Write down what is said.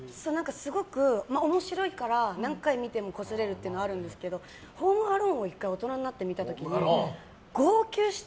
すごく面白いから何回見てもこすれるっていうのはあるんですけど「ホーム・アローン」を大人になって見た時に号泣して。